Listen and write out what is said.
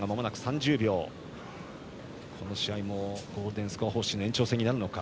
この試合もゴールデンスコア方式の延長戦になるのか。